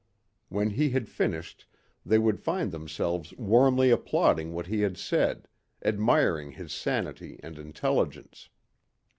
When he had finished they would find themselves warmly applauding what he had said, admiring his sanity and intelligence.